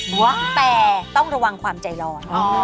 เพราะแต่ต้องระวังความใจร้อน